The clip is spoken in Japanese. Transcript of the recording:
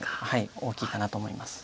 大きいかなと思います。